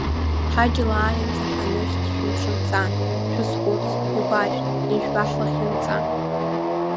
Ҳаџьал ааиаанӡа ҳанышәҵ шәымшынҵа, шәазхәыц, игәашәҭ, ижәба ҳлахьынҵа.